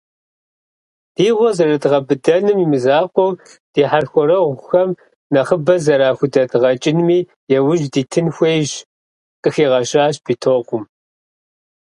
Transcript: «Ди гъуэр зэрыдгъэбыдэным имызакъуэу, ди хьэрхуэрэгъухэм нэхъыбэ зэрахудэдгъэкӀынми яужь дитын хуейщ», - къыхигъэщащ Битокъум.